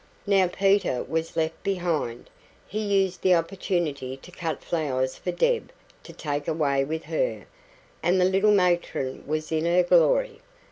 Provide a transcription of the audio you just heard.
Now Peter was left behind he used the opportunity to cut flowers for Deb to take away with her and the little matron was in her glory.